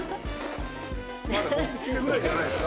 まだ５口目ぐらいじゃないですか？